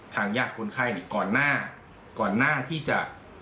ทางยากคนไข้นี่ก่อนหน้าที่จะ